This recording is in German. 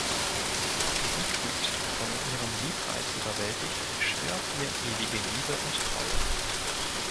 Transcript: Siegfried, von ihrem Liebreiz überwältigt, schwört ihr ewige Liebe und Treue.